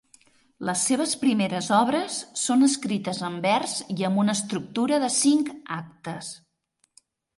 Les seves primeres obres són escrites en vers i amb una estructura de cinc actes.